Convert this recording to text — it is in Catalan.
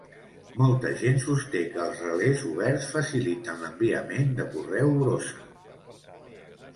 Molta gent sosté que els relés oberts faciliten l'enviament de correu brossa.